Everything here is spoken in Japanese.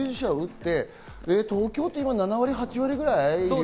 東京って今、７割、８割ぐらい？